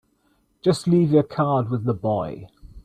Just leave your card with the boy.